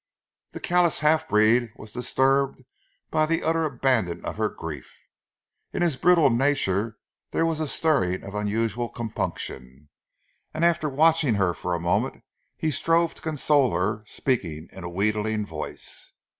The callous half breed was disturbed by the utter abandon of her grief. In his brutal nature there was a stirring of unusual compunction, and after watching her for a moment, he strove to console her, speaking in a wheedling voice.